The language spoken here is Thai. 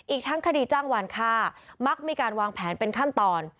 อีกทั้งคดีจ้างวานค่ามักมีการวางแผนเป็นขั้นตอน